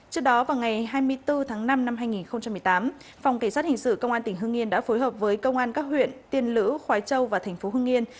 trước đó vào ngày hai mươi bốn tháng năm năm hai nghìn một mươi tám phòng cảnh sát hình sự công an tỉnh hương yên đã phối hợp với công an các huyện tiên lữ khói châu và thành phố hương yên